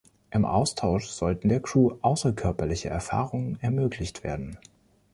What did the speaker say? Im Austausch sollten der Crew außerkörperliche Erfahrungen ermöglicht werden.